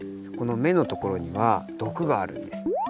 このめのところにはどくがあるんです。